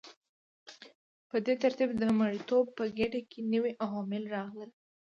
په دې ترتیب د مرئیتوب په ګیډه کې نوي عوامل راغلل.